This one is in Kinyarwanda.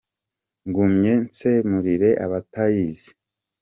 Ngumye nsemurire abatayizi.